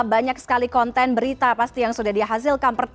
banyak sekali konten berita pasti yang sudah dihasilkan